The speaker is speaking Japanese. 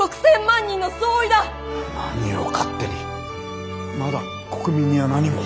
何を勝手にまだ国民には何も。